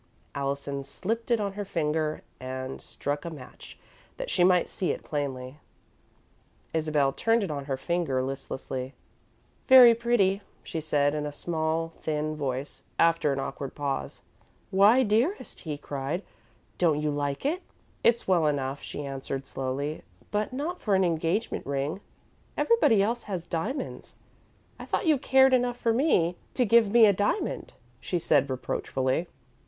Allison slipped it on her finger and struck a match that she might see it plainly. Isabel turned it on her finger listlessly. "Very pretty," she said, in a small, thin voice, after an awkward pause. "Why, dearest," he cried, "don't you like it?" "It's well enough," she answered, slowly, "but not for an engagement ring. Everybody else has diamonds. I thought you cared enough for me to give me a diamond," she said, reproachfully.